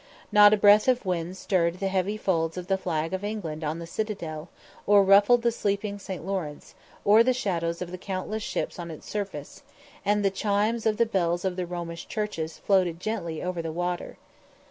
Not a breath of wind stirred the heavy folds of the flag of England on the citadel, or ruffled the sleeping St. Lawrence, or the shadows of the countless ships on its surface; and the chimes of the bells of the Romish churches floated gently over the water.